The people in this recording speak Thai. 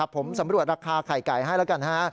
ผมสำรวจราคาไข่ไก่ให้แล้วกันฮะ